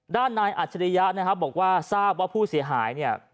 ด้านนายอัจฉริยะนะครับบอกว่าทราบว่าผู้เสียหายเนี่ย